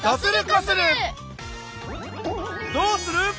どうする！